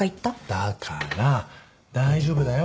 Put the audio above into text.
だから大丈夫だよ。